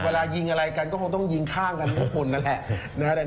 เวลายิงอะไรกันก็คงต้องยิงข้ามกันทุกคนนั่นแหละ